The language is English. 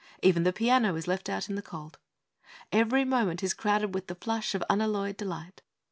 Even the piano is left out in the cold. Every moment is crowded with the flush of unalloyed delight.